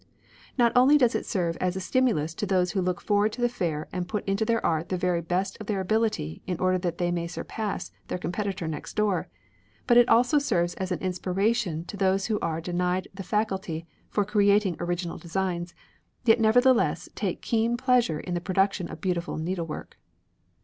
Not only does it serve as a stimulus to those who look forward to the fair and put into their art the very best of their ability in order that they may surpass their competitor next door, but it also serves as an inspiration to those who are denied the faculty of creating original designs, yet nevertheless take keen pleasure in the production of beautiful needlework.